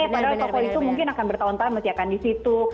padahal toko itu mungkin akan bertahun tahun masih akan di situ